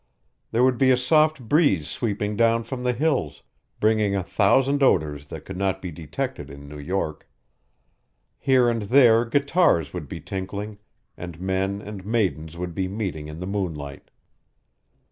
There would be a soft breeze sweeping down from the hills, bringing a thousand odors that could not be detected in New York. Here and there guitars would be tinkling, and men and maidens would be meeting in the moonlight.